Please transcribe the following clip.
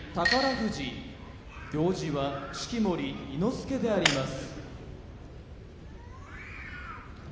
富士行司は式守伊之助であります。